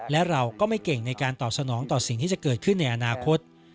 และเราก็ไม่เก่งในการตอบสนองต่อสิ่งที่จะเกิดขึ้นในอนาคต